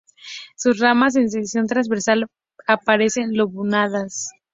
Sus ramas en sección transversal aparecen lobuladas.